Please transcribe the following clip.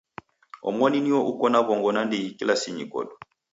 Omoni nio uko na w'ongo nandighi kilasinyi kodu.